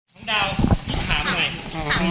ทางดาวถามหน่อย